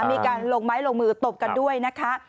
มีการลงไม้ลงมือตบกันด้วยนะคะ